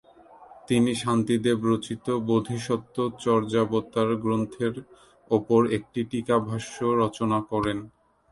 তিনি শান্তিদেব রচিত বোধিসত্ত্বচর্যাবতার গ্রন্থের ওপর একটি টীকাভাষ্য রচনা করেন।